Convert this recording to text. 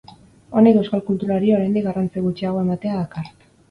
Honek euskal kulturari oraindik garrantzi gutxiago ematea dakar.